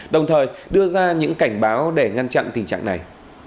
đồng thời đưa ra những cảnh báo để ngăn chặn tình trạng này